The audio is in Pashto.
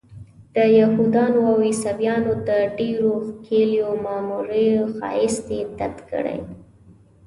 د یهودانو او عیسویانو د ډېرو ښکلیو معماریو ښایست یې تت کړی.